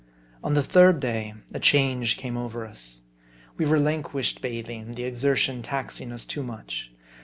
On the third day a change came over us. We relin quished bathing, the exertion taxing us too much.